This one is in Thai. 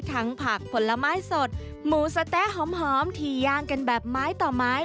ผักผลไม้สดหมูสะเต๊ะหอมที่ย่างกันแบบไม้ต่อไม้